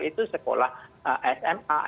itu sekolah sma